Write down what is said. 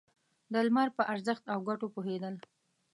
د لمر په ارزښت او گټو پوهېدل.